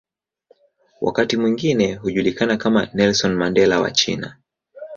Wakati mwingine hujulikana kama "Nelson Mandela wa China".